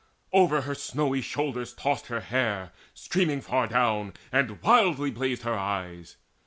Over her snowy shoulders tossed her hair Streaming far down, and wildly blazed her eyes.